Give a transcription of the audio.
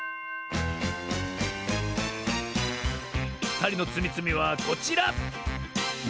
ふたりのつみつみはこちら！